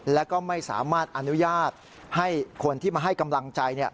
และก็ไม่สามารถอนุญาตให้คนที่มาให้กำลังใจ